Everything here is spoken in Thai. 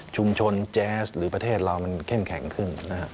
แจ๊สหรือประเทศเรามันเข้มแข็งขึ้น